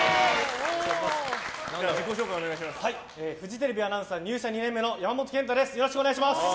フジテレビアナウンサー入社２年目の山本賢太です。